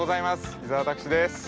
伊沢拓司です。